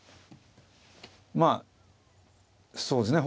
まあそうですね。